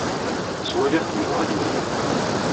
Ttwaliɣ-t yebɣa ad yerbeḥ.